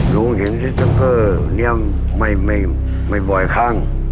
ลุงเห็นซิสเตอร์เนี่ยไม่บ่อยครั้ง